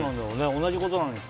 同じことなのに。